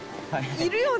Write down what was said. いるよね。